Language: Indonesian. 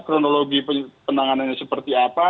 kronologi penanganannya seperti apa